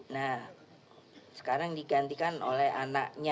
nah sekarang digantikan oleh anaknya